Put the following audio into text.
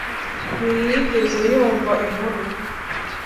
ntiyigeze yumva inkuru